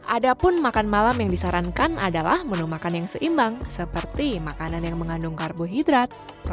ada pun makan malam yang disarankan adalah menu makan yang seimbang seperti makanan yang mengandung karbohidrat protein mineral dan vitamin